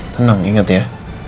tenang inget ya